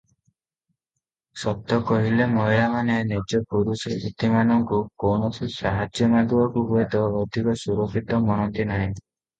ସତ କହିଲେ ମହିଳାମାନେ ନିଜ ପୁରୁଷ ସାଥୀମାନଙ୍କୁ କୌଣସି ସାହାଯ୍ୟ ମାଗିବାକୁ ହୁଏତ ଅଧିକ ସୁରକ୍ଷିତ ମଣନ୍ତି ନାହିଁ ।